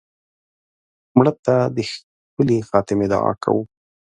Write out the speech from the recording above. مړه ته د ښکلې خاتمې دعا کوو